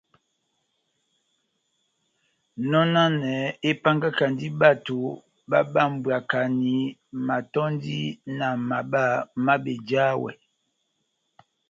Nɔnanɛ épángakandi bato bábambwakani matɔ́ndi na mabá má bejawɛ.